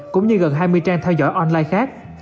cũng như gần hai mươi trang theo dõi online khác